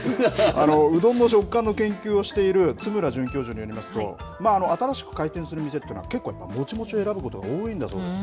うどんの食感の研究をしている津村准教授によりますと新しく開店する店というのは結構もちもちを選ぶことが多いんだそうです。